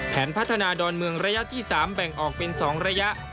แผนพัฒนาดอนเมืองระยะที่๓แบ่งออกเป็น๒ระยะ